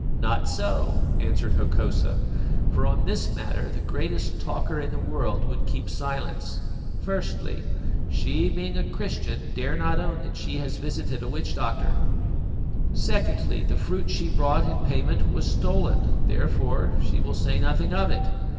"Not so," answered Hokosa, "for on this matter the greatest talker in the world would keep silence. Firstly, she, being a Christian, dare not own that she has visited a witch doctor. Secondly, the fruit she brought in payment was stolen, therefore she will say nothing of it.